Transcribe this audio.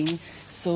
そう。